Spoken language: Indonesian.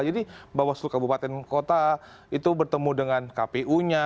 jadi bawaslu kabupaten kota itu bertemu dengan kpu nya